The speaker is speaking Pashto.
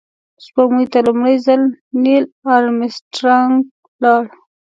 سپوږمۍ ته لومړی ځل نیل آرمسټرانګ لاړ